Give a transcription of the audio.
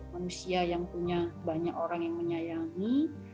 manusia yang punya banyak orang yang menyayangi